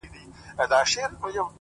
o زه خو پاچا نه؛ خپلو خلگو پر سر ووهلم،